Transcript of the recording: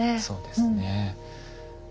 そうですね。